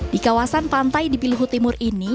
di kawasan pantai di piluhu timur ini